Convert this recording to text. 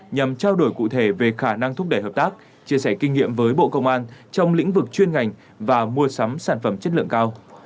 nhằm trao đổi cụ thể về khả năng thúc đẩy hợp tác chia sẻ kinh nghiệm với bộ công an trong lĩnh vực chuyên ngành và mua sắm sản phẩm chất lượng cao